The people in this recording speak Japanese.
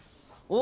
お！